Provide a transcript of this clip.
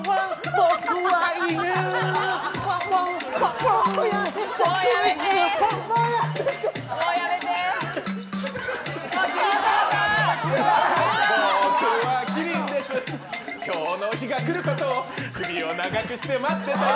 僕はキリンです、今日の日が来ることを首を長くして待ってたよ。